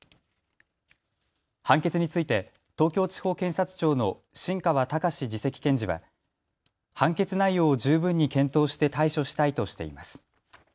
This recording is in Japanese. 判決について東京地方検察庁の新河隆志次席検事は判決内容を十分に検討して対処したいとしています。